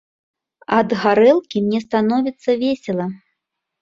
Ад гарэлкі мне становіцца весела.